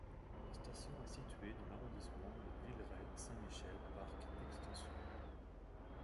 La station est située dans l'arrondissement de Villeray–Saint-Michel–Parc-Extension.